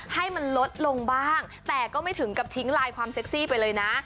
ให้มันลดลงบ้างแต่ก็ไม่ถึงกับทิ้งไลน์ความเซ็กซี่ไปเลยนะ